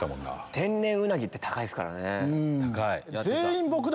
天然ウナギって高いですからね。